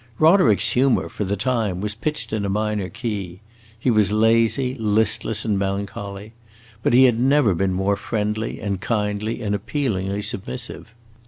Roderick's humor, for the time, was pitched in a minor key; he was lazy, listless, and melancholy, but he had never been more friendly and kindly and appealingly submissive.